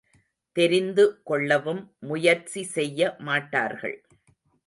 தெரிந்து கொள்ளவும் முயற்சி செய்ய மாட்டார்கள்.